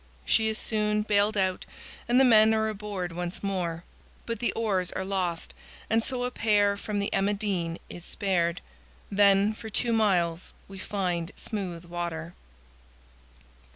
She is soon bailed out and the men are aboard once more; but the oars are lost, and so a pair from the "Emma Dean" is spared. Then for two miles we find smooth water.